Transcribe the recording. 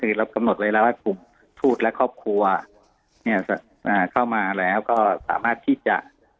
คือกำหนดไว้แล้วว่าทูตและครอบครัวเข้ามาแล้วก็สามารถที่จะ